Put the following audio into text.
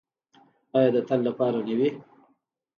آیا د تل لپاره نه وي؟